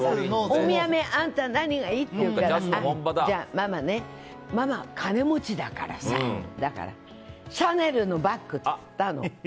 お土産、あんた何がいい？って言うからママは金持ちだからさシャネルのバッグって言ったの。